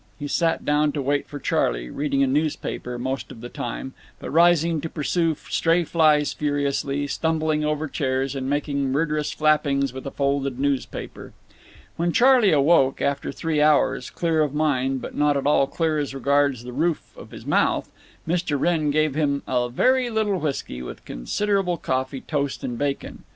He sat down to wait for Charley, reading a newspaper most of the time, but rising to pursue stray flies furiously, stumbling over chairs, and making murderous flappings with a folded newspaper. When Charley awoke, after three hours, clear of mind but not at all clear as regards the roof of his mouth, Mr. Wrenn gave him a very little whisky, with considerable coffee, toast, and bacon.